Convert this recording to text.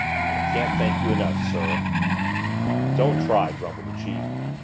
"I can't thank you enough, sir." "Don't try," grumbled the chief.